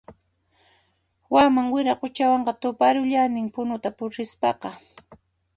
Waman Wiraquchawanqa tuparullanin Punuta rispaqa